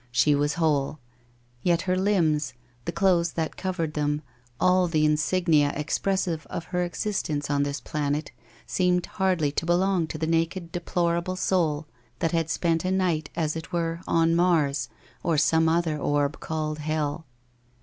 She was whole. Yet her limbs, the clothes that covered them, all the in signia expressive of her existence on this planet seemed hardly to belong to the naked deplorable soul that had spent a night, as it were, on Mars, or some other orb called Hell.